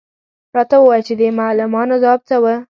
_راته ووايه چې د معلمانو ځواب څه و؟